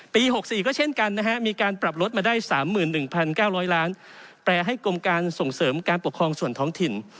๖๔ก็เช่นกันนะฮะมีการปรับลดมาได้๓๑๙๐๐ล้านแปลให้กรมการส่งเสริมการปกครองส่วนท้องถิ่น